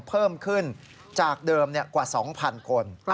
เพิ่มขึ้นจากเดิมกว่า๒๐๐๐คน